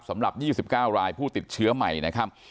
สำหรับ๒๙รายผู้ติดเชื้อใหม่นะครับ